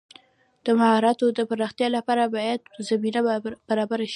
د مهارتونو د پراختیا لپاره باید زمینه برابره شي.